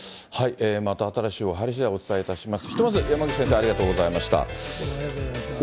また新しい情報入りしだい、お伝えいたします。